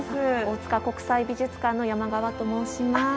大塚国際美術館の山側と申します。